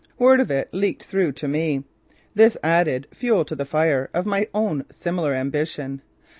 Word of it leaked through to me. This added fuel to the fire of my own similar ambition.